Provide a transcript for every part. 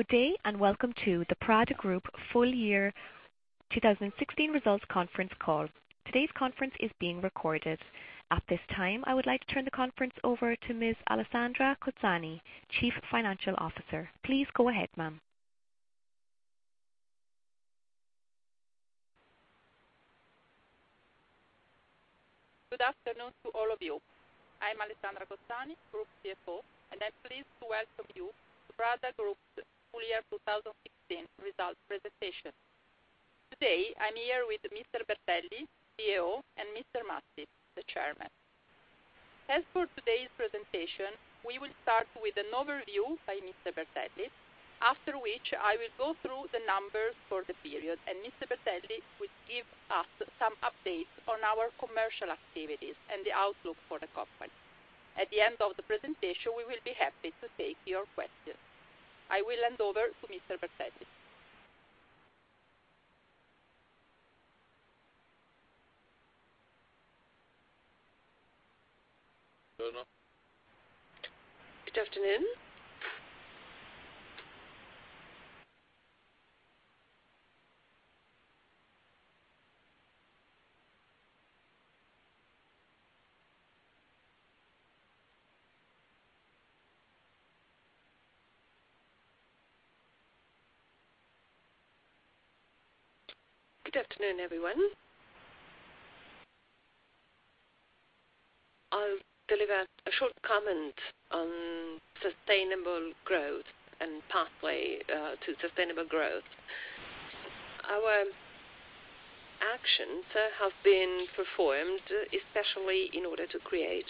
Good day, welcome to the Prada Group Full Year 2016 results conference call. Today's conference is being recorded. At this time, I would like to turn the conference over to Ms. Alessandra Cozzani, Chief Financial Officer. Please go ahead, ma'am. Good afternoon to all of you. I'm Alessandra Cozzani, Group CFO, and I'm pleased to welcome you to Prada Group's full year 2016 results presentation. Today, I'm here with Mr. Bertelli, CEO, and Mr. Mazzi, the Chairman. As for today's presentation, we will start with an overview by Mr. Bertelli, after which I will go through the numbers for the period, and Mr. Bertelli will give us some updates on our commercial activities and the outlook for the company. At the end of the presentation, we will be happy to take your questions. I will hand over to Mr. Bertelli. Good afternoon. Good afternoon, everyone. I'll deliver a short comment on sustainable growth and pathway to sustainable growth. Our actions have been performed, especially in order to create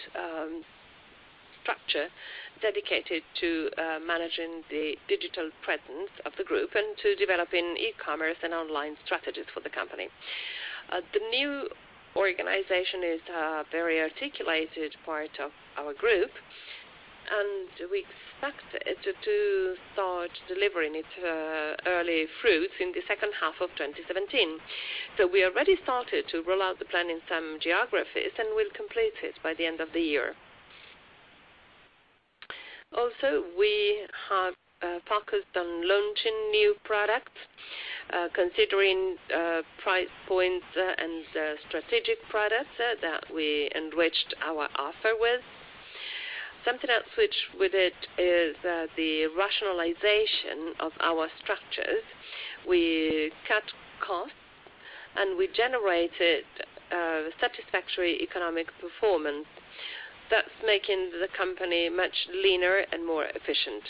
structure dedicated to managing the digital presence of the group and to developing e-commerce and online strategies for the company. The new organization is a very articulated part of our group, and we expect it to start delivering its early fruits in the second half of 2017. We already started to roll out the plan in some geographies, and we'll complete it by the end of the year. We have focused on launching new products, considering price points and strategic products that we enriched our offer with. Something else with it is the rationalization of our structures. We cut costs, and we generated a satisfactory economic performance that's making the company much leaner and more efficient.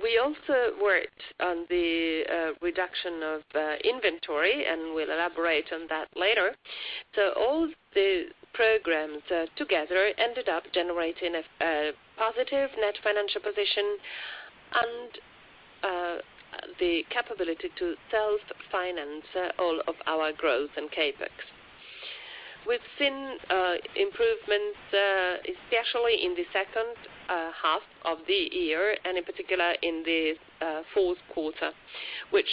We also worked on the reduction of inventory, and we'll elaborate on that later. All the programs together ended up generating a positive net financial position and the capability to self-finance all of our growth and CapEx. We've seen improvements, especially in the second half of the year, and in particular in the fourth quarter, which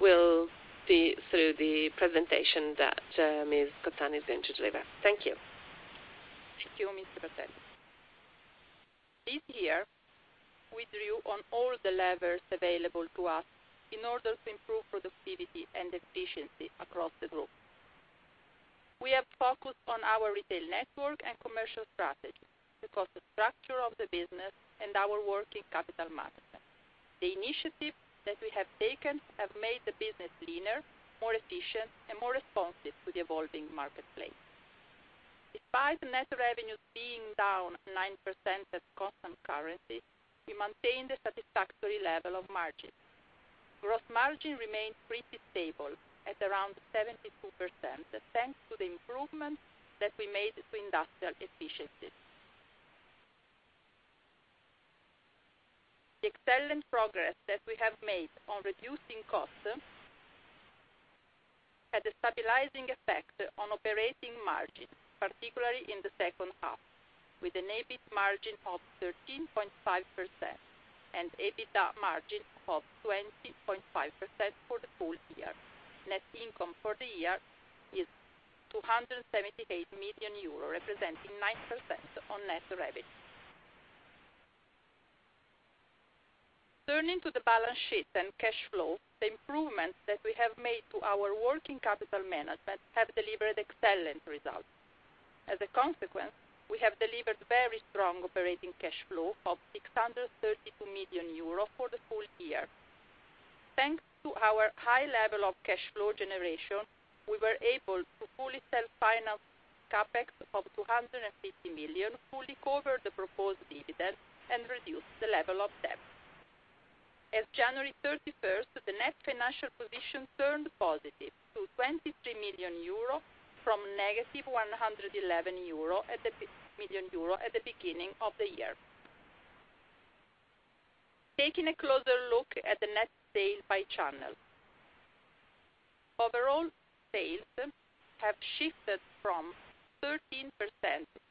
we'll see through the presentation that Ms. Cozzani is going to deliver. Thank you. Thank you, Mr. Bertelli. This year, we drew on all the levers available to us in order to improve productivity and efficiency across the group. We have focused on our retail network and commercial strategy, the cost of structure of the business, and our working capital management. The initiatives that we have taken have made the business leaner, more efficient, and more responsive to the evolving marketplace. Despite net revenues being down 9% at constant currency, we maintained a satisfactory level of margins. Gross margin remained pretty stable at around 72%, thanks to the improvements that we made to industrial efficiencies. The excellent progress that we have made on reducing costs had a stabilizing effect on operating margins, particularly in the second half, with an EBIT margin of 13.5% and EBITDA margin of 20.5% for the full year. Net income for the year is 278 million euro, representing 9% on net revenue. Turning to the balance sheet and cash flow, the improvements that we have made to our working capital management have delivered excellent results. As a consequence, we have delivered very strong operating cash flow of 632 million euro for the full year. Thanks to our high level of cash flow generation, we were able to fully self-finance CapEx of 250 million, fully cover the proposed dividend, and reduce the level of debt. As of January 31st, the net financial position turned positive to 23 million euro from negative 111 million euro at the beginning of the year. Taking a closer look at the net sales by channel. Overall, sales have shifted from 13%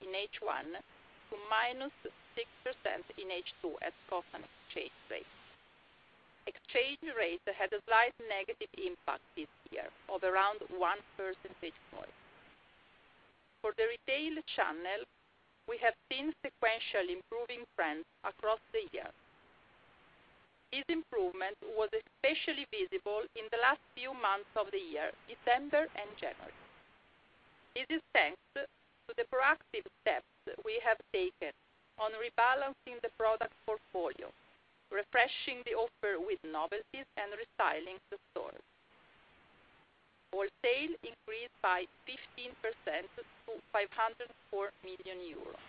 in H1 to minus 6% in H2 at constant exchange rates. Exchange rates had a slight negative impact this year of around one percentage point. For the retail channel, we have seen sequential improving trends across the year. This improvement was especially visible in the last few months of the year, December and January. This is thanks to the proactive steps we have taken on rebalancing the product portfolio, refreshing the offer with novelties, and restyling the stores. Wholesale increased by 15% to 504 million euros.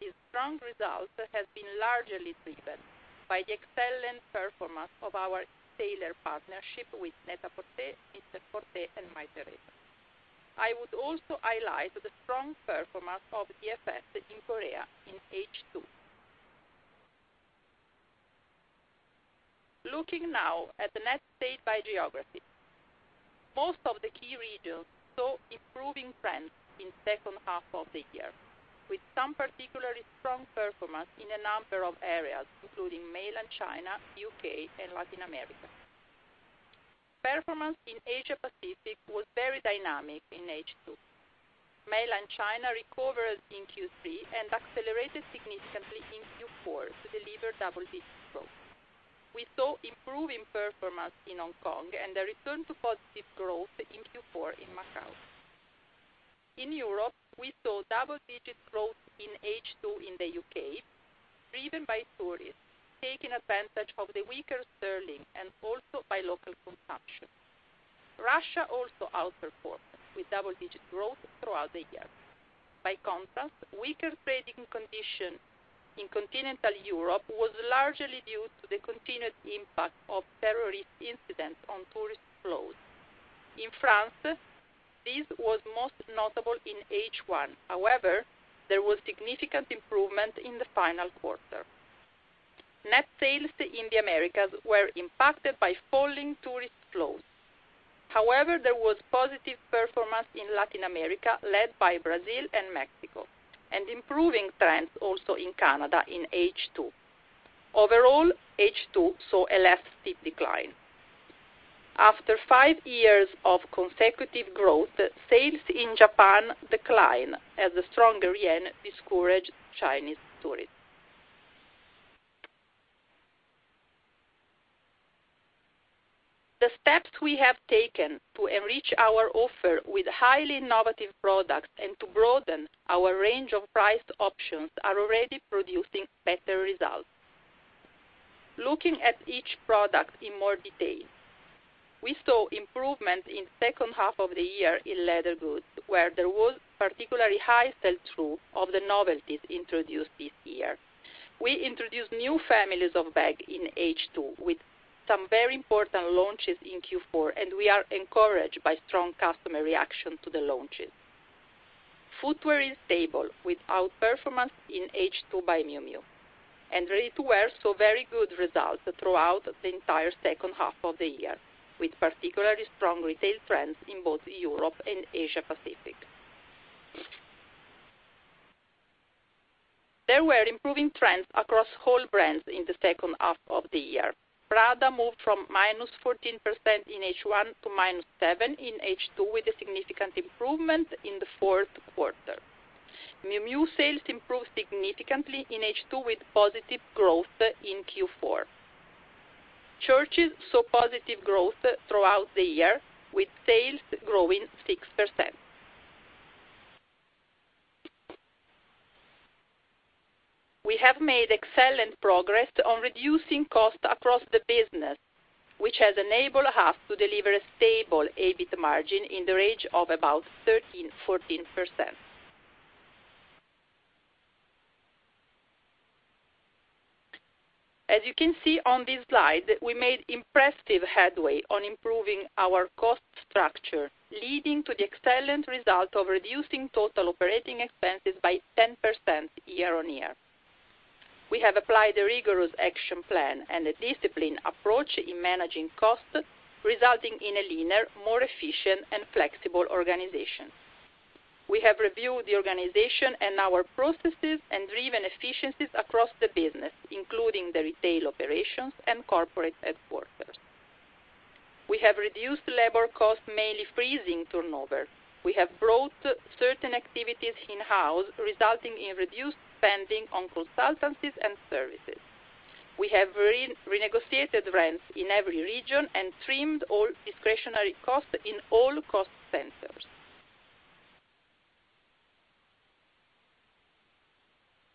This strong result has been largely driven by the excellent performance of our retailer partnership with Net-a-Porter, Mr Porter, and Mytheresa. I would also highlight the strong performance of DFS in Korea in H2. Looking now at the net sales by geography. Most of the key regions saw improving trends in second half of the year, with some particularly strong performance in a number of areas, including Mainland China, U.K., and Latin America. Performance in Asia Pacific was very dynamic in H2. Mainland China recovered in Q3 and accelerated significantly in Q4 to deliver double-digit growth. We saw improving performance in Hong Kong and a return to positive growth in Q4 in Macau. In Europe, we saw double-digit growth in H2 in the U.K., driven by tourists taking advantage of the weaker sterling and also by local consumption. Russia also outperformed with double-digit growth throughout the year. By contrast, weaker trading condition in Continental Europe was largely due to the continued impact of terrorist incidents on tourist flows. In France, this was most notable in H1. However, there was significant improvement in the final quarter. Net sales in the Americas were impacted by falling tourist flows. However, there was positive performance in Latin America, led by Brazil and Mexico, and improving trends also in Canada in H2. Overall, H2 saw a less steep decline. After five years of consecutive growth, sales in Japan declined as the stronger yen discouraged Chinese tourists. The steps we have taken to enrich our offer with highly innovative products and to broaden our range of price options are already producing better results. Looking at each product in more detail, we saw improvement in second half of the year in leather goods, where there was particularly high sell-through of the novelties introduced this year. We introduced new families of bag in H2 with some very important launches in Q4, and we are encouraged by strong customer reaction to the launches. Footwear is stable, with outperformance in H2 by Miu Miu. Ready-to-wear saw very good results throughout the entire second half of the year, with particularly strong retail trends in both Europe and Asia Pacific. There were improving trends across whole brands in the second half of the year. Prada moved from -14% in H1 to -7% in H2 with a significant improvement in the fourth quarter. Miu Miu sales improved significantly in H2 with positive growth in Q4. Church's saw positive growth throughout the year with sales growing 6%. We have made excellent progress on reducing costs across the business, which has enabled us to deliver a stable EBIT margin in the range of about 13%-14%. As you can see on this slide, we made impressive headway on improving our cost structure, leading to the excellent result of reducing total operating expenses by 10% year-on-year. We have applied a rigorous action plan and a disciplined approach in managing costs, resulting in a leaner, more efficient, and flexible organization. We have reviewed the organization and our processes and driven efficiencies across the business, including the retail operations and corporate headquarters. We have reduced labor costs, mainly freezing turnover. We have brought certain activities in-house, resulting in reduced spending on consultancies and services. We have renegotiated rents in every region and trimmed all discretionary costs in all cost centers.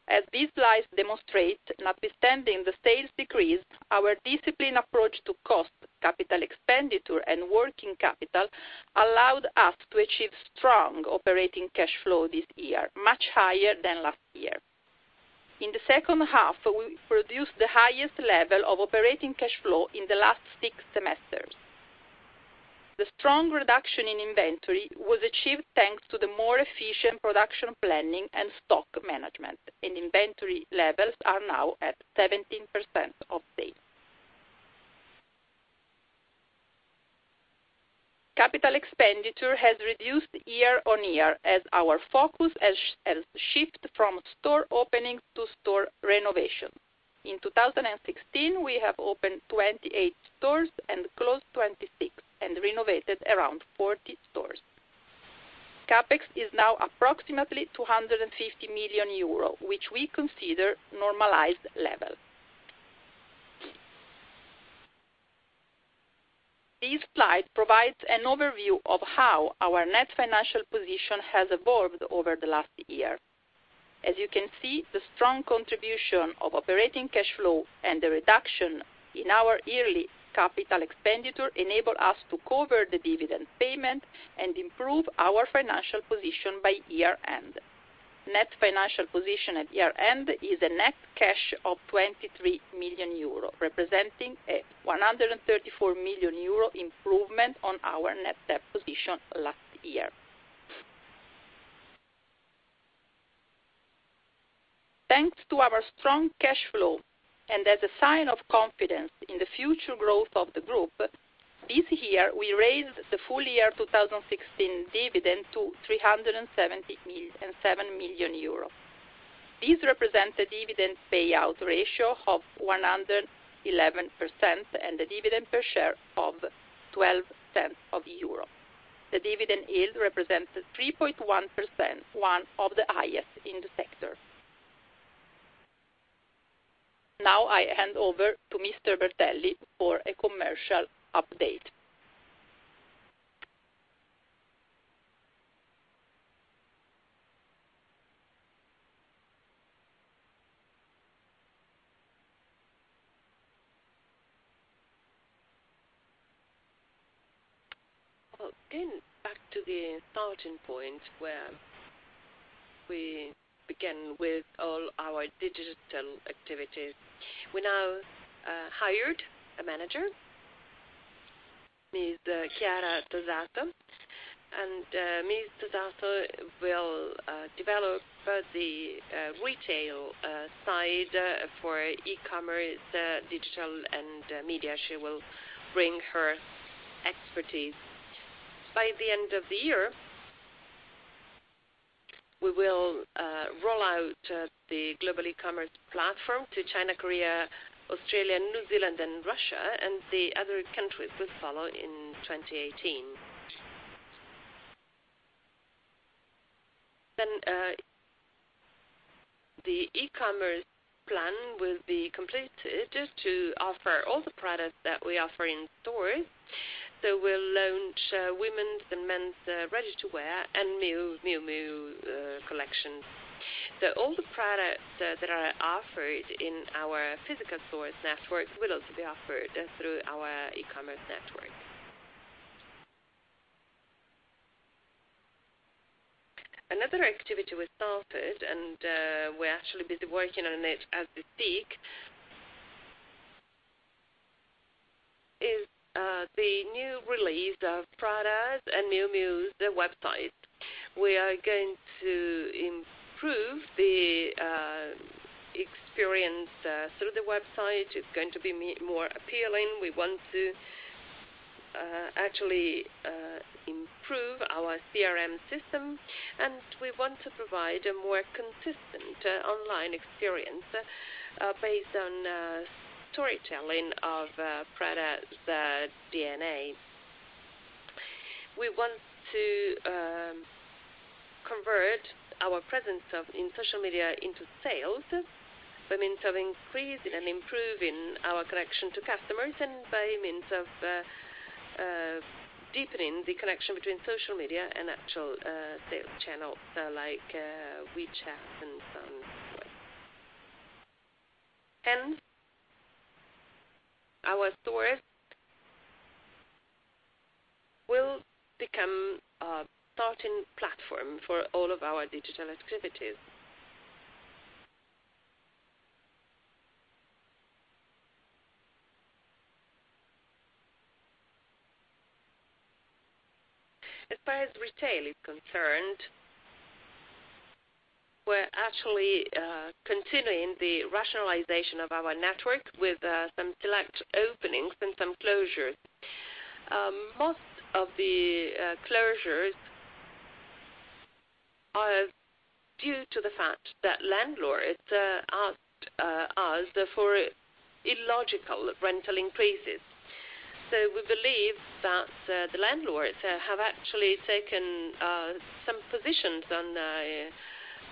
As these slides demonstrate, notwithstanding the sales decrease, our disciplined approach to cost, capital expenditure, and working capital allowed us to achieve strong operating cash flow this year, much higher than last year. In the second half, we produced the highest level of operating cash flow in the last six semesters. The strong reduction in inventory was achieved thanks to the more efficient production planning and stock management, and inventory levels are now at 17% of sales. Capital expenditure has reduced year-on-year as our focus has shifted from store opening to store renovation. In 2016, we have opened 28 stores and closed 26, and renovated around 40 stores. CapEx is now approximately 250 million euro, which we consider normalized level. This slide provides an overview of how our net financial position has evolved over the last year. As you can see, the strong contribution of operating cash flow and the reduction in our yearly capital expenditure enable us to cover the dividend payment and improve our financial position by year-end. Net financial position at year-end is a net cash of 23 million euro, representing a 134 million euro improvement on our net debt position last year. Thanks to our strong cash flow, and as a sign of confidence in the future growth of the group, this year, we raised the full year 2016 dividend to 307 million. This represents a dividend payout ratio of 111% and a dividend per share of 0.12. The dividend yield represents 3.1%, one of the highest in the sector. I hand over to Mr. Bertelli for a commercial update. Well, getting back to the starting point where we began with all our digital activities. We now hired a manager, Ms. Chiara Battistini. Ms. Battistini will develop the retail side for e-commerce, digital, and media. She will bring her expertise. By the end of the year, we will roll out the global e-commerce platform to China, Korea, Australia, New Zealand, and Russia, and the other countries will follow in 2018. The e-commerce plan will be completed to offer all the products that we offer in store. We'll launch women's and men's ready-to-wear and Miu Miu collections. All the products that are offered in our physical stores network will also be offered through our e-commerce network. Another activity we started, and we're actually busy working on it as we speak, is the new release of Prada and Miu Miu, the website. We are going to improve the experience through the website. It's going to be more appealing. We want to actually improve our CRM system, and we want to provide a more consistent online experience, based on storytelling of Prada DNA. We want to convert our presence in social media into sales by means of increasing and improving our connection to customers and by means of deepening the connection between social media and actual sales channels, like WeChat and so on. Our stores will become a starting platform for all of our digital activities. As far as retail is concerned, we're actually continuing the rationalization of our network with some select openings and some closures. Most of the closures are due to the fact that landlords asked us for illogical rental increases. We believe that the landlords have actually taken some positions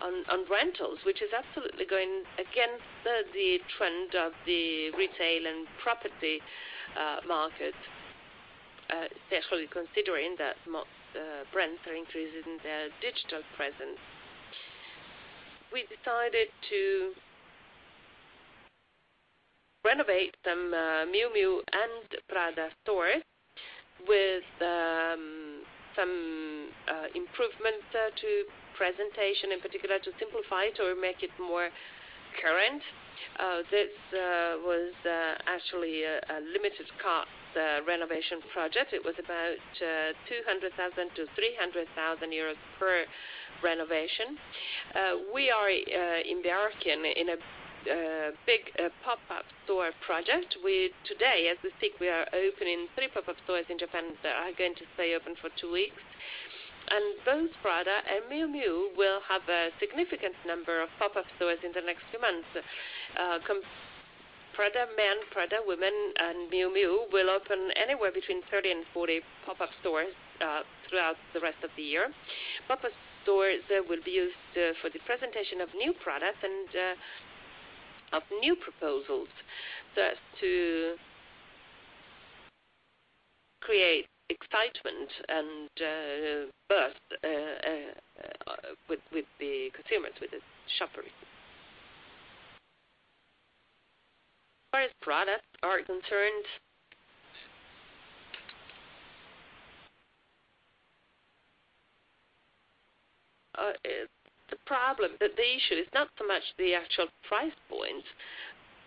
on rentals, which is absolutely going against the trend of the retail and property market, especially considering that most brands are increasing their digital presence. We decided to renovate some Miu Miu and Prada stores with some improvements to presentation, in particular, to simplify it or make it more current. This was actually a limited-cost renovation project. It was about 200,000-300,000 euros per renovation. We are embarking in a big pop-up store project. Today, as we speak, we are opening three pop-up stores in Japan that are going to stay open for two weeks. Both Prada and Miu Miu will have a significant number of pop-up stores in the next few months. Prada Men, Prada Women, and Miu Miu will open anywhere between 30 and 40 pop-up stores throughout the rest of the year. Pop-up stores will be used for the presentation of new products and of new proposals, thus to create excitement and a burst with the consumers, with the shoppers. As far as products are concerned, the issue is not so much the actual price point.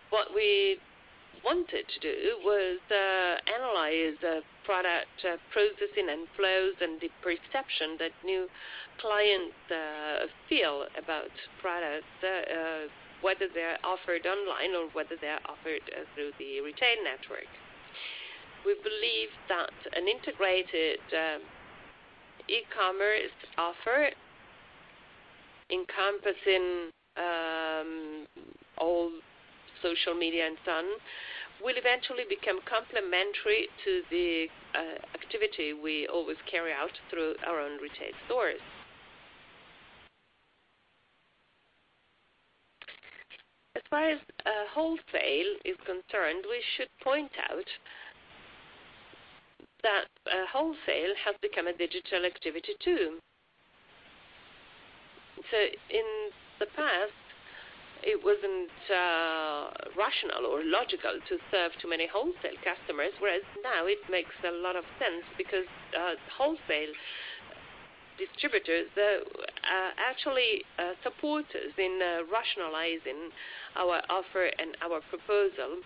What we wanted to do was analyze the product processing and flows and the perception that new clients feel about products, whether they're offered online or whether they're offered through the retail network. We believe that an integrated e-commerce offer, encompassing all social media and so on, will eventually become complementary to the activity we always carry out through our own retail stores. As far as wholesale is concerned, we should point out that wholesale has become a digital activity, too. In the past, it wasn't rational or logical to serve too many wholesale customers, whereas now it makes a lot of sense because wholesale distributors actually support us in rationalizing our offer and our proposals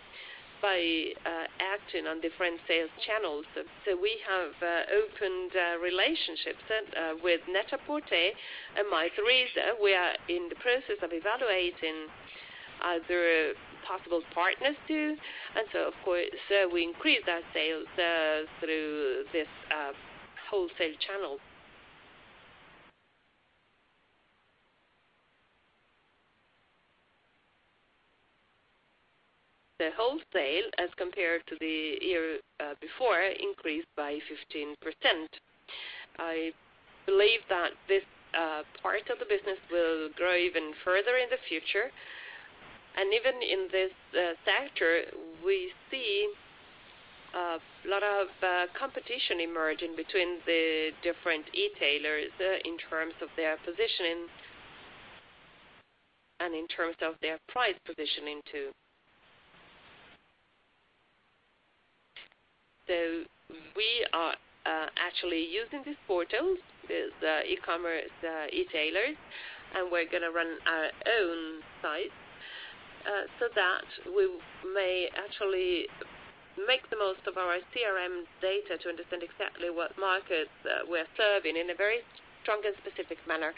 by acting on different sales channels. We have opened relationships with Net-a-Porter and Mytheresa. We are in the process of evaluating other possible partners, too. We increase our sales through this wholesale channel. The wholesale, as compared to the year before, increased by 15%. I believe that this part of the business will grow even further in the future. Even in this sector, we see a lot of competition emerging between the different e-tailers in terms of their positioning and in terms of their price positioning, too. We are actually using these portals, these e-tailers, and we're going to run our own sites, so that we may actually make the most of our CRM data to understand exactly what markets we're serving in a very strong and specific manner.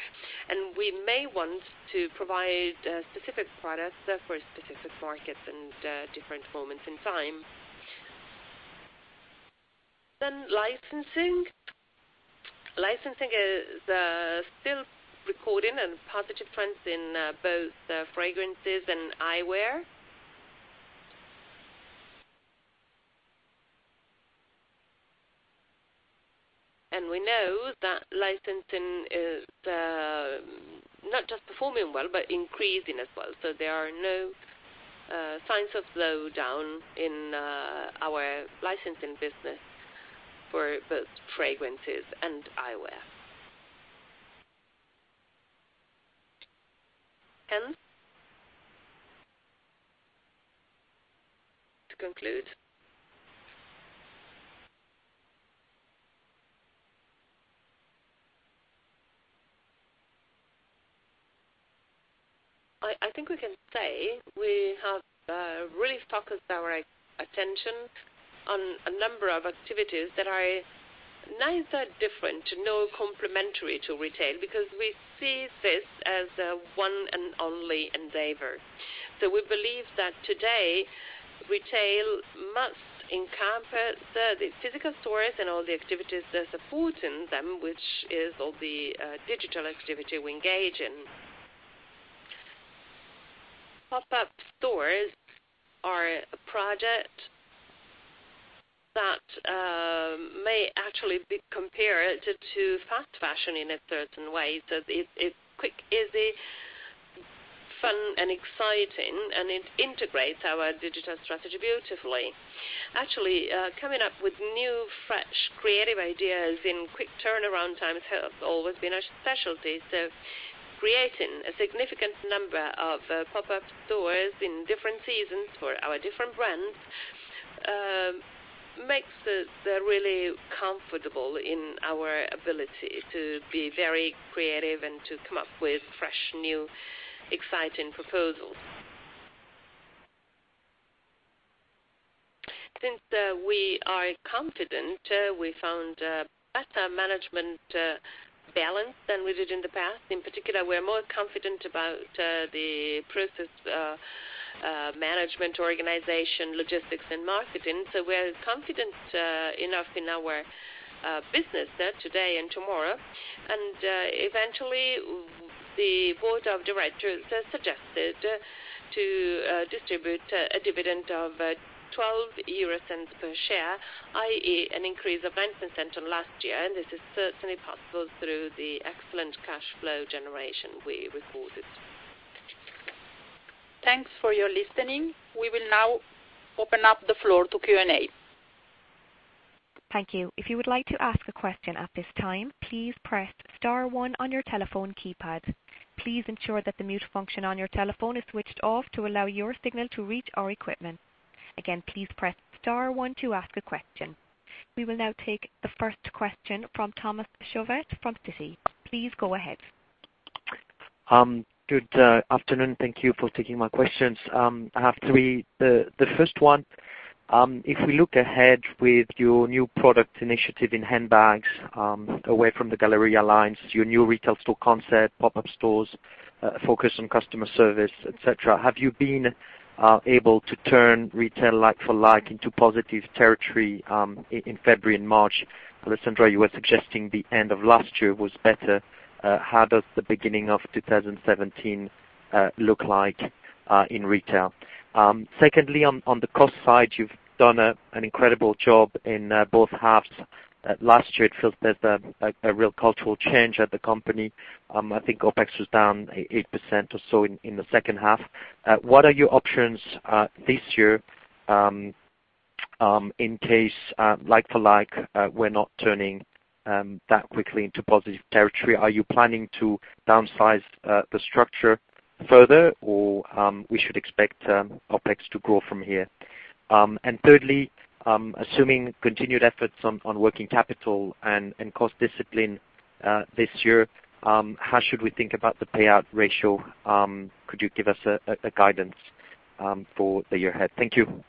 We may want to provide specific products for specific markets and different moments in time. Licensing. Licensing is still recording on positive trends in both fragrances and eyewear. We know that licensing is not just performing well but increasing as well. There are no signs of slowdown in our licensing business for both fragrances and eyewear. To conclude, I think we can say we have really focused our attention on a number of activities that are neither different nor complementary to retail, because we see this as a one and only endeavor. We believe that today, retail must encompass the physical stores and all the activities that support them, which is all the digital activity we engage in. Pop-up stores are a project that may actually be compared to fast fashion in a certain way. It's quick, easy, fun, and exciting, and it integrates our digital strategy beautifully. Actually, coming up with new, fresh, creative ideas in quick turnaround times has always been our specialty. Creating a significant number of pop-up stores in different seasons for our different brands makes us really comfortable in our ability to be very creative and to come up with fresh, new, exciting proposals. Since we are confident, we found a better management balance than we did in the past. In particular, we are more confident about the process management, organization, logistics, and marketing. We are confident enough in our business today and tomorrow. Eventually, the board of directors has suggested to distribute a dividend of 0.12 per share, i.e., an increase of 0.09 from last year. This is certainly possible through the excellent cash flow generation we recorded. Thanks for your listening. We will now open up the floor to Q&A. Thank you. If you would like to ask a question at this time, please press star one on your telephone keypad. Please ensure that the mute function on your telephone is switched off to allow your signal to reach our equipment. Again, please press star one to ask a question. We will now take the first question from Thomas Chauvet from Citi. Please go ahead. Good afternoon. Thank you for taking my questions. I have three. First one, if we look ahead with your new product initiative in handbags, away from the Galleria line, your new retail store concept, pop-up stores, focus on customer service, et cetera, have you been able to turn retail like-for-like into positive territory, in February and March? Alessandra, you were suggesting the end of last year was better. How does the beginning of 2017 look like in retail? Secondly, on the cost side, you've done an incredible job in both halves. Last year, it feels there's a real cultural change at the company. I think OpEx was down 8% or so in the second half. What are your options, this year, in case like-for-like, we're not turning that quickly into positive territory. Are you planning to downsize the structure further or we should expect OpEx to grow from here? Thirdly, assuming continued efforts on working capital and cost discipline this year, how should we think about the payout ratio? Could you give us a guidance for the year ahead? Thank you.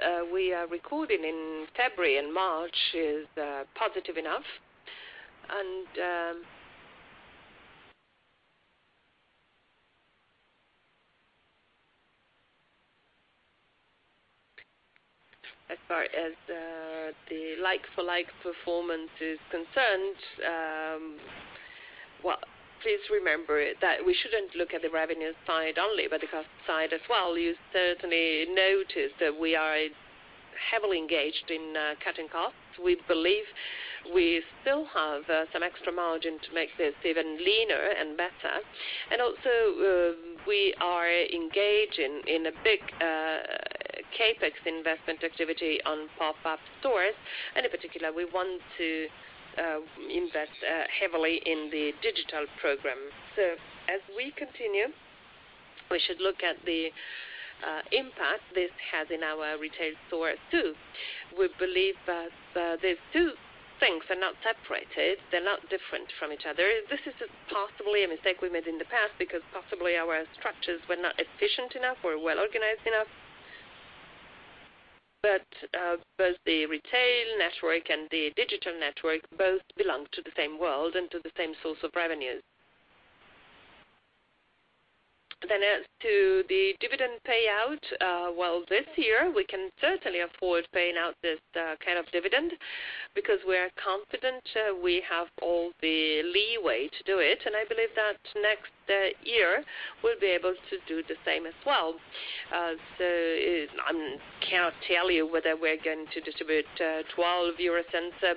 The trend we are recording in February and March is positive enough. As far as the like-for-like performance is concerned, please remember that we shouldn't look at the revenue side only, but the cost side as well. You certainly notice that we are heavily engaged in cutting costs. We believe we still have some extra margin to make this even leaner and better. Also, we are engaged in a big CapEx investment activity on pop-up stores. In particular, we want to invest heavily in the digital program. As we continue, we should look at the impact this has in our retail stores, too. We believe that these two things are not separated. They're not different from each other. This is possibly a mistake we made in the past because possibly our structures were not efficient enough or well organized enough. Both the retail network and the digital network both belong to the same world and to the same source of revenues. As to the dividend payout, this year, we can certainly afford paying out this kind of dividend because we're confident we have all the leeway to do it. I believe that next year, we'll be able to do the same as well. I cannot tell you whether we're going to distribute 0.12,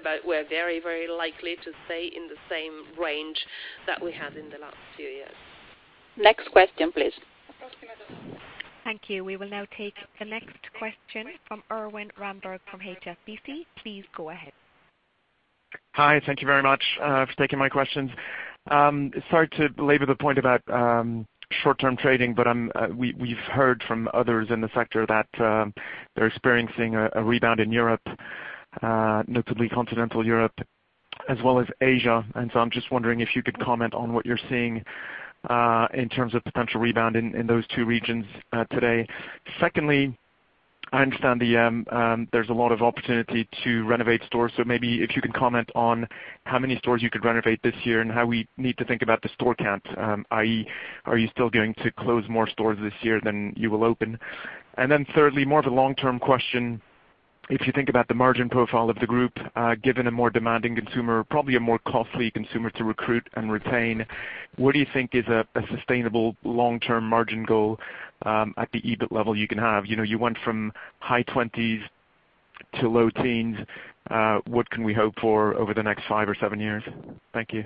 but we're very likely to stay in the same range that we have in the last few years. Next question, please. Of course. Thank you. We will now take the next question from Erwan Rambourg from HSBC. Please go ahead. Hi. Thank you very much for taking my questions. Sorry to belabor the point about short-term trading, we've heard from others in the sector that they're experiencing a rebound in Europe, notably continental Europe as well as Asia. I'm just wondering if you could comment on what you're seeing, in terms of potential rebound in those two regions, today. Secondly, I understand there's a lot of opportunity to renovate stores. Maybe if you could comment on how many stores you could renovate this year and how we need to think about the store count, i.e., are you still going to close more stores this year than you will open? Thirdly, more of a long-term question, if you think about the margin profile of the group, given a more demanding consumer, probably a more costly consumer to recruit and retain, what do you think is a sustainable long-term margin goal, at the EBIT level you can have? You went from high twenties to low teens. What can we hope for over the next five or seven years? Thank you.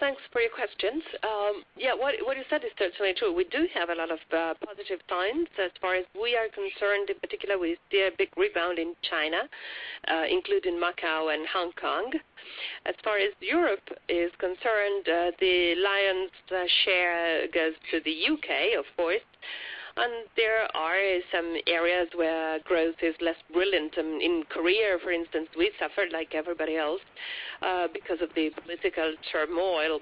Thanks for your questions. What you said is certainly true. We do have a lot of positive signs as far as we are concerned. In particular, we see a big rebound in China, including Macau and Hong Kong. As far as Europe is concerned, the lion's share goes to the U.K., of course, and there are some areas where growth is less brilliant. In Korea, for instance, we suffered like everybody else because of the political turmoil.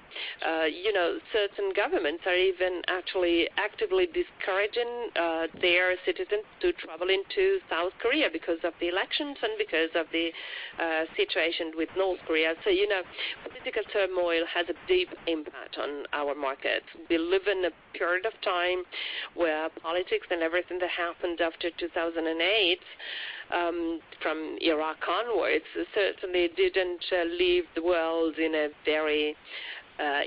Certain governments are even actually actively discouraging their citizens to travel into South Korea because of the elections and because of the situation with North Korea. Political turmoil has a deep impact on our markets. We live in a period of time where politics and everything that happened after 2008, from Iraq onwards, certainly didn't leave the world in a very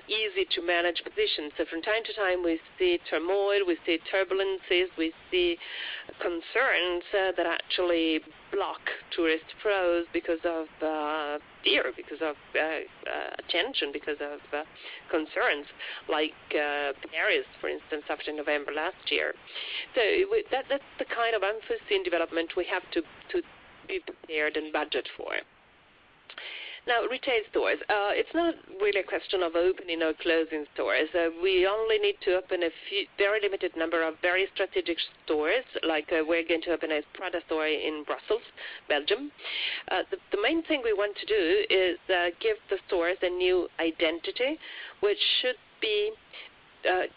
easy-to-manage position. From time to time, we see turmoil, we see turbulences, we see concerns that actually block tourist flows because of fear, because of tension, because of concerns like Paris, for instance, after November last year. That's the kind of unforeseen development we have to be prepared and budget for. Now, retail stores. It's not really a question of opening or closing stores. We only need to open a very limited number of very strategic stores, like we're going to open a Prada store in Brussels, Belgium. The main thing we want to do is give the stores a new identity, which should be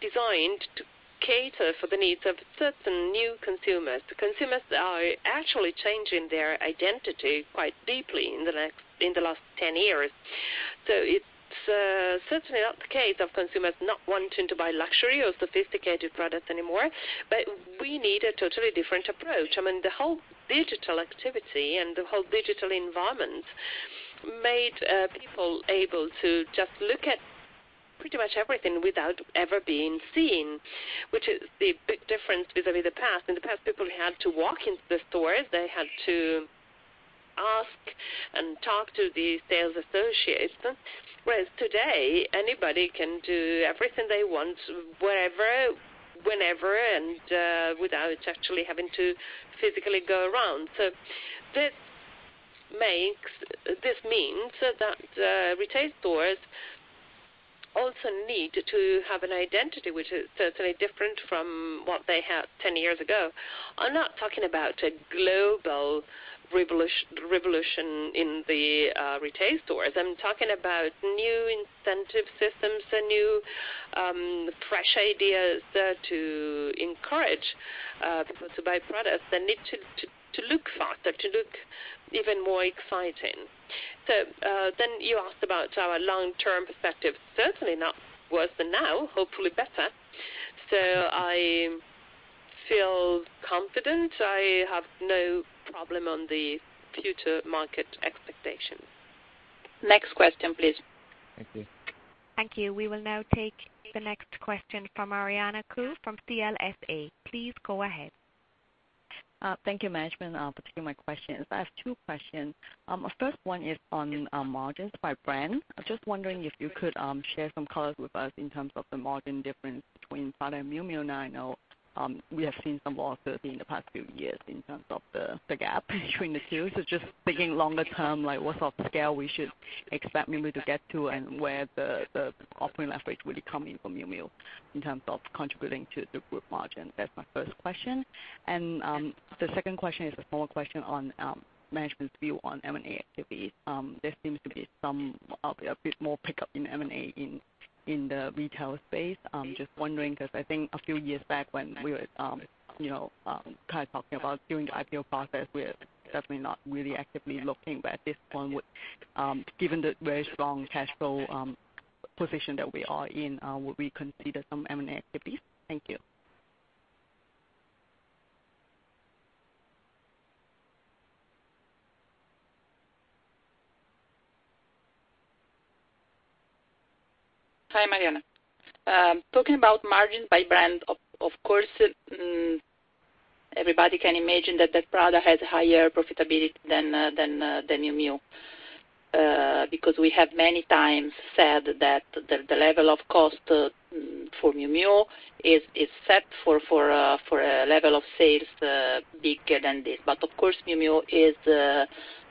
designed to cater for the needs of certain new consumers. The consumers are actually changing their identity quite deeply in the last 10 years. It's certainly not the case of consumers not wanting to buy luxury or sophisticated products anymore. We need a totally different approach. The whole digital activity and the whole digital environment made people able to just look at pretty much everything without ever being seen, which is the big difference vis-à-vis the past. In the past, people had to walk into the stores. They had to ask and talk to the sales associates. Whereas today, anybody can do everything they want, wherever, whenever, and without actually having to physically go around. This means that retail stores also need to have an identity, which is certainly different from what they had 10 years ago. I'm not talking about a global revolution in the retail stores. I'm talking about new incentive systems and new, fresh ideas to encourage people to buy products. They need to look faster, to look even more exciting. You asked about our long-term perspective. Certainly not worse than now, hopefully better. I feel confident. I have no problem on the future market expectations. Next question, please. Thank you. Thank you. We will now take the next question from Mariana Kou from CLSA. Please go ahead. Thank you, management, for taking my questions. I have two questions. First one is on margins by brand. I'm just wondering if you could share some colors with us in terms of the margin difference between Prada and Miu Miu. I know we have seen some volatility in the past few years in terms of the gap between the two. Just thinking longer term, like what sort of scale we should expect Miu Miu to get to and where the operating leverage really come in for Miu Miu in terms of contributing to the group margin. That's my first question. The second question is a small question on management's view on M&A activities. There seems to be a bit more pickup in M&A in the retail space. I'm just wondering, because I think a few years back when we were kind of talking about doing the IPO process, we're certainly not really actively looking. At this point, given the very strong cash flow position that we are in, would we consider some M&A activities? Thank you. Hi, Mariana. Talking about margins by brand, of course, everybody can imagine that Prada has higher profitability than Miu Miu. We have many times said that the level of cost for Miu Miu is set for a level of sales bigger than this. Of course, the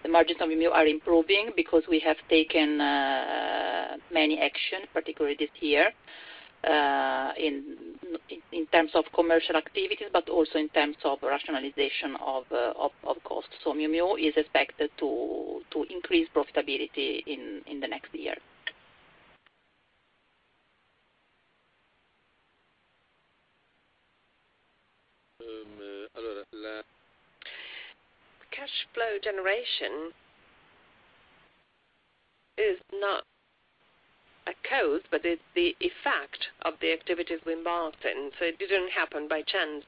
margins of Miu Miu are improving because we have taken many actions, particularly this year, in terms of commercial activities, but also in terms of rationalization of cost. Miu Miu is expected to increase profitability in the next year. Cash flow generation is not a cause, but it's the effect of the activities we embarked in. It didn't happen by chance.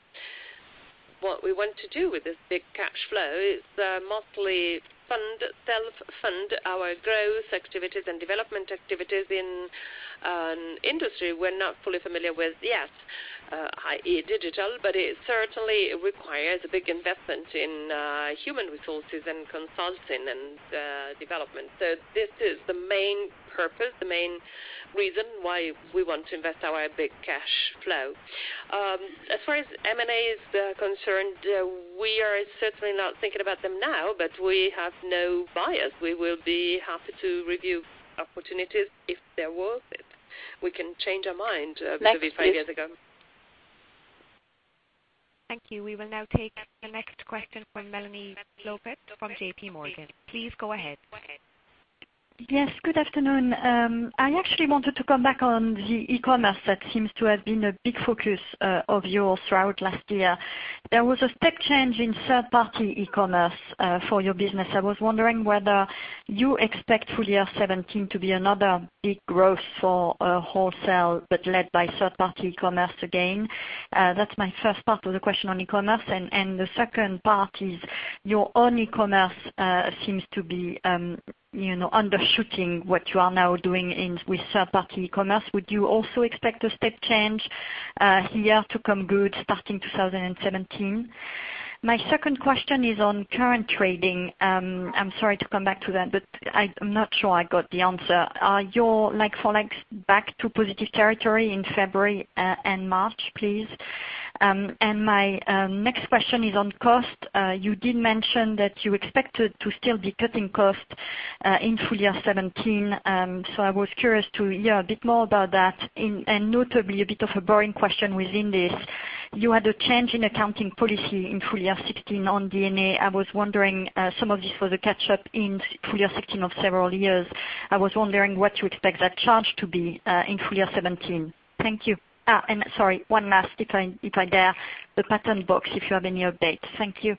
What we want to do with this big cash flow is mostly self-fund our growth activities and development activities in an industry we're not fully familiar with yet, i.e., digital, but it certainly requires a big investment in human resources and consulting and development. This is the main purpose, the main reason why we want to invest our big cash flow. As far as M&A is concerned, we are certainly not thinking about them now, but we have no bias. We will be happy to review opportunities if they're worth it. We can change our mind vis-à-vis five years ago. Next, please. Thank you. We will now take the next question from Melania Grippo from JPMorgan. Please go ahead. Yes, good afternoon. I actually wanted to come back on the e-commerce that seems to have been a big focus of yours throughout last year. There was a step change in third-party e-commerce for your business. I was wondering whether you expect full year 2017 to be another big growth for wholesale, but led by third-party e-commerce again. That's my first part of the question on e-commerce, and the second part is your own e-commerce seems to be undershooting what you are now doing with third-party e-commerce. Would you also expect a step change here to come good starting 2017? My second question is on current trading. I'm sorry to come back to that, but I'm not sure I got the answer. Are your like-for-likes back to positive territory in February and March, please? My next question is on cost. You did mention that you expected to still be cutting costs in full year 2017. I was curious to hear a bit more about that, notably, a bit of a boring question within this. You had a change in accounting policy in full year 2016 on DNA. I was wondering, some of this was a catch-up in full year 2016 of several years. I was wondering what you expect that charge to be in full year 2017. Thank you. Sorry, one last, if I dare, the patent box, if you have any update. Thank you.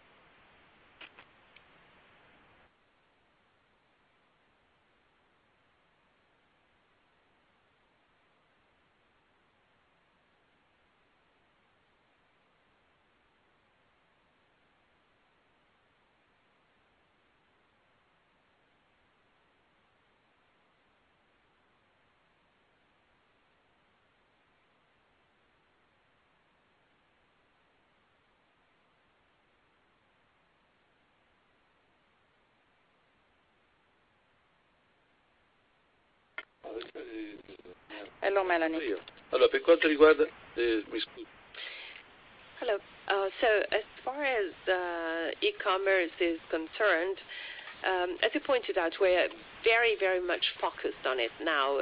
Hello, Melania. As far as e-commerce is concerned, as you pointed out, we are very much focused on it now,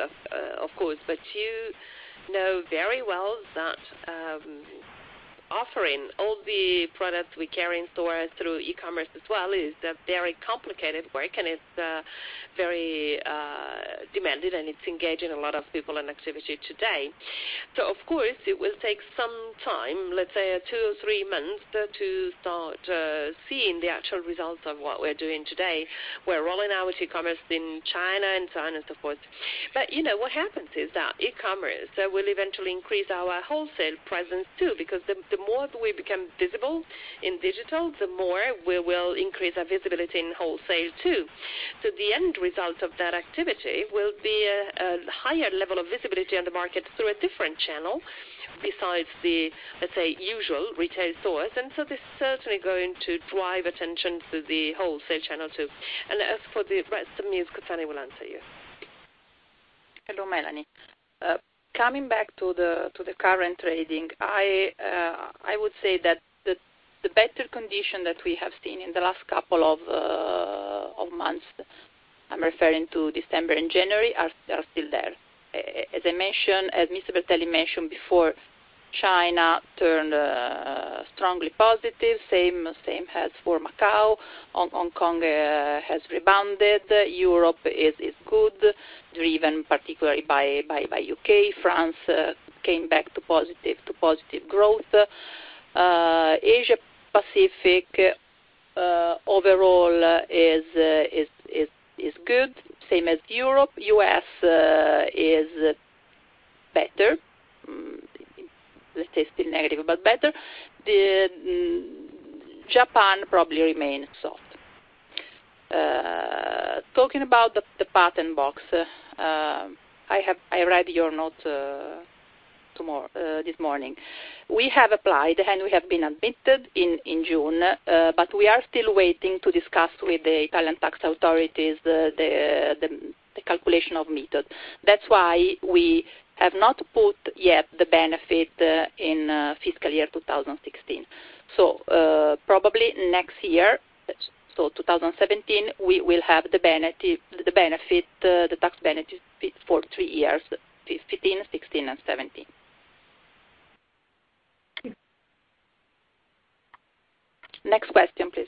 of course, but you know very well that offering all the products we carry in store through e-commerce as well is a very complicated work, and it is very demanding, and it is engaging a lot of people and activity today. Of course, it will take some time, let's say two or three months, to start seeing the actual results of what we are doing today. We are rolling out e-commerce in China and so on and so forth. What happens is that e-commerce will eventually increase our wholesale presence, too, because the more we become visible in digital, the more we will increase our visibility in wholesale, too. The end result of that activity will be a higher level of visibility on the market through a different channel besides the, let's say, usual retail stores. This is certainly going to drive attention to the wholesale channel, too. As for the rest, Ms. Cozzani will answer you. Hello, Melania. Coming back to the current trading, I would say that the better condition that we have seen in the last couple of months, I am referring to December and January, are still there. As Mr. Bertelli mentioned before, China turned strongly positive, same as for Macau. Hong Kong has rebounded. Europe is good, driven particularly by U.K. France came back to positive growth. Asia Pacific overall is good, same as Europe. U.S. is better. Let us say still negative, but better. Japan probably remains soft. Talking about the patent box, I read your note this morning. We have applied, and we have been admitted in June, but we are still waiting to discuss with the Italian tax authorities the calculation of method. That is why we have not put yet the benefit in fiscal year 2016. Probably next year, 2017, we will have the tax benefit for three years, 2015, 2016, and 2017. Thank you. Next question, please.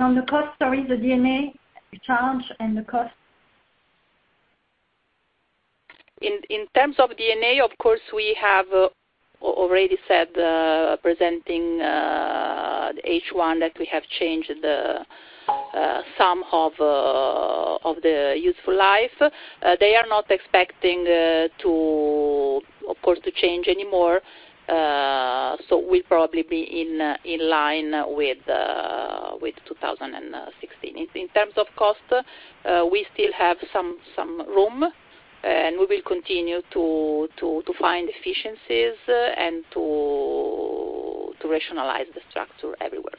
On the cost, sorry, the DNA charge and the cost. In terms of DNA, of course, we have already said, presenting H1, that we have changed some of the useful life. They are not expecting, of course, to change anymore, we'll probably be in line with 2016. In terms of cost, we still have some room, we will continue to find efficiencies and to rationalize the structure everywhere.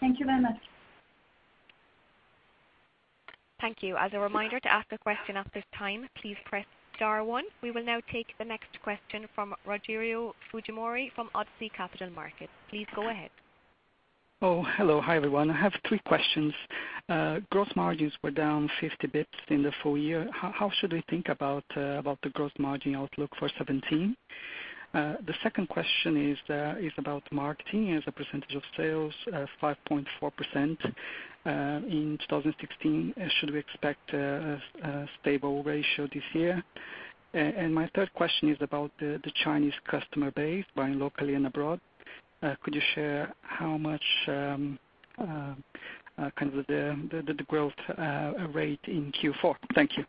Thank you very much. Thank you. As a reminder to ask a question at this time, please press star one. We will now take the next question from Rogerio Fujimori from Oddo BHF. Please go ahead. Hello. Hi, everyone. I have three questions. Gross margins were down 50 basis points in the full year. How should we think about the gross margin outlook for 2017? The second question is about marketing as a percentage of sales, 5.4% in 2016. Should we expect a stable ratio this year? My third question is about the Chinese customer base buying locally and abroad. Could you share how much the growth rate in Q4? Thank you.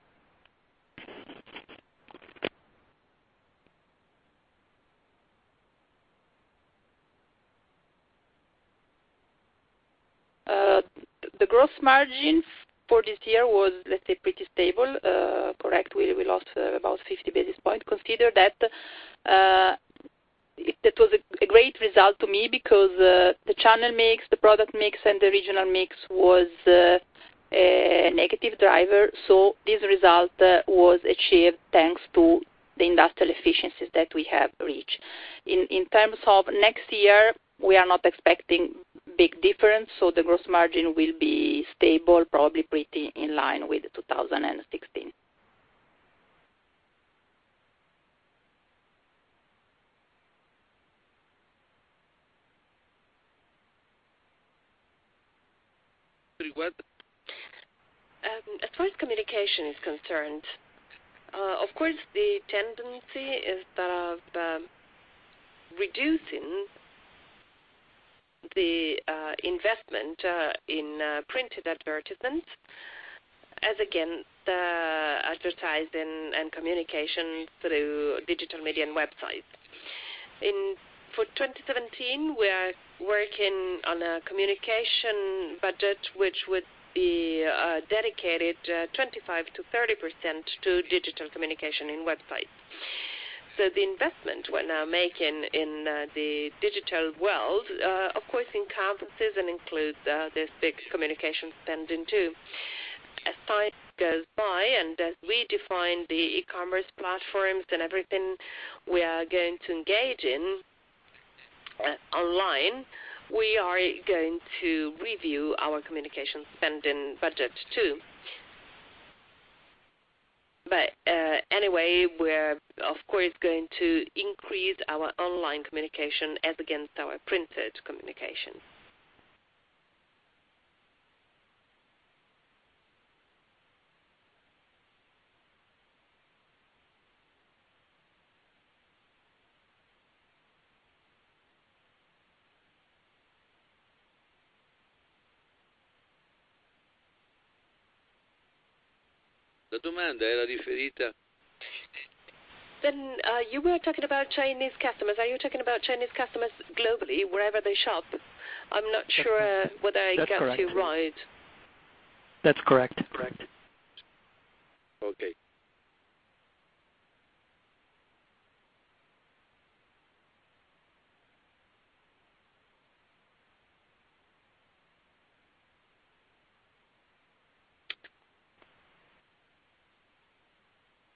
The gross margin for this year was, let's say, pretty stable. Correct, we lost about 50 basis points. Consider that it was a great result to me because the channel mix, the product mix, and the regional mix was a negative driver. This result was achieved thanks to the industrial efficiencies that we have reached. In terms of next year, we are not expecting big difference, the gross margin will be stable, probably pretty in line with 2016. As far as communication is concerned, of course, the tendency is of reducing the investment in printed advertisements as against advertising and communication through digital media and websites. For 2017, we are working on a communication budget, which would be dedicated 25%-30% to digital communication in websites. The investment we're now making in the digital world, of course, encompasses and includes this big communication spending, too. As time goes by, as we define the e-commerce platforms and everything we are going to engage in online, we are going to review our communication spending budget, too. Anyway, we're of course, going to increase our online communication as against our printed communication. You were talking about Chinese customers. Are you talking about Chinese customers globally, wherever they shop? I'm not sure whether I got you right. That's correct.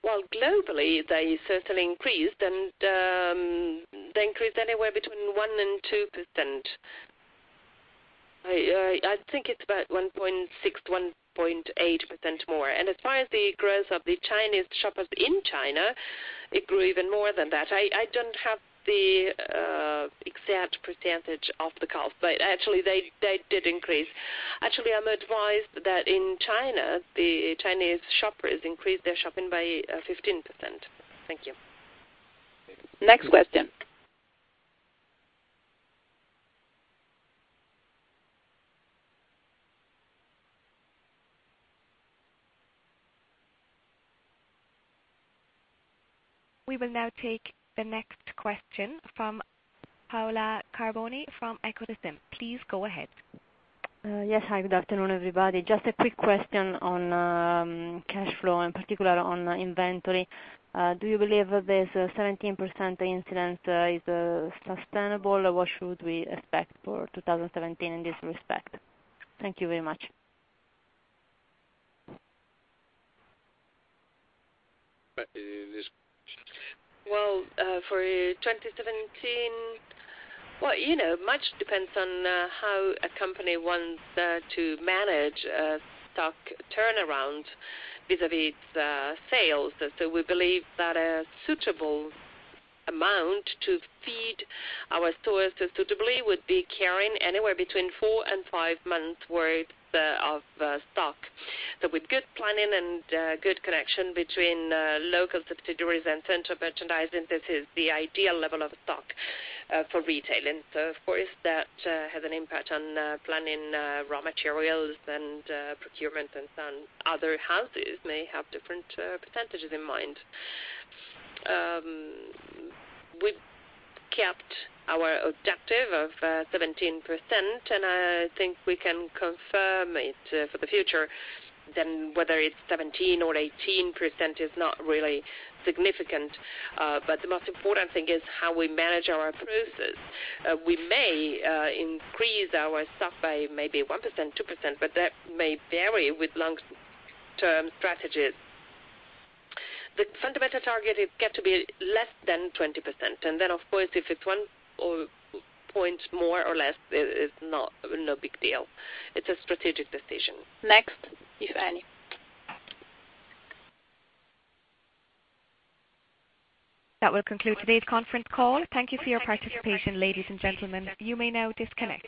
Well, globally, they certainly increased, they increased anywhere between 1% and 2%. I think it's about 1.6%-1.8% more. As far as the growth of the Chinese shoppers in China, it grew even more than that. I don't have the exact percentage of the calls, actually they did increase. Actually, I'm advised that in China, the Chinese shoppers increased their shopping by 15%. Thank you. Next question. We will now take the next question from Paola Carboni from Equita SIM. Please go ahead. Yes. Hi, good afternoon, everybody. Just a quick question on cash flow, in particular on inventory. Do you believe this 17% percentage is sustainable, or what should we expect for 2017 in this respect? Thank you very much. Well, for 2017, much depends on how a company wants to manage a stock turnaround vis-à-vis its sales. We believe that a suitable amount to feed our stores suitably would be carrying anywhere between four and five months worth of stock. With good planning and good connection between local subsidiaries and central merchandising, this is the ideal level of stock for retailing. Of course, that has an impact on planning raw materials and procurement, and some other houses may have different percentages in mind. We kept our objective of 17%, and I think we can confirm it for the future, whether it's 17% or 18% is not really significant. The most important thing is how we manage our processes. We may increase our stock by maybe 1%, 2%, but that may vary with long-term strategies. The fundamental target is get to be less than 20%, of course, if it's one point more or less, it's no big deal. It's a strategic decision. Next, if any. That will conclude today's conference call. Thank you for your participation, ladies and gentlemen. You may now disconnect.